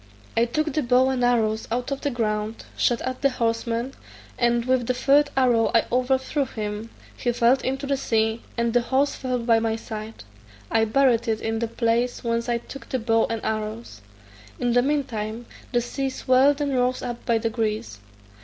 I took the bow and arrows out of the ground, shot at the horseman, and with the third arrow I overthrew him; he fell into the sea, and the horse fell by my side; I buried it in the place whence I took the bow and arrows. In the mean time, the sea swelled and rose up by degrees.